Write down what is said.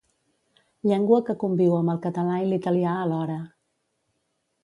Llengua que conviu amb el català i l'italià alhora.